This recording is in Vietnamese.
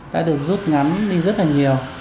đã được rút ngắn đi rất là nhiều